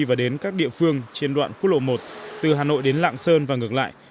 và đến các địa phương trên đoạn quốc lộ một từ hà nội đến lạng sơn và ngược lại